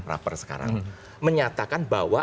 proper sekarang menyatakan bahwa